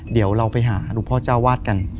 เดี๋ยวเราไปหาหลวงพ่อเจ้าวาดกัน